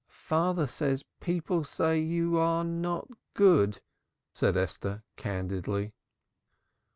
"Father says people say you are not good," said Esther candidly.